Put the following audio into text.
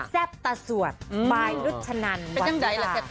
แซ่บตาสวดปลายนุชนันวันวิราค